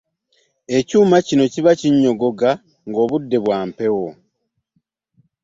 Ekyuma kino kiba kinyogoga nga obudde bwa mpewo .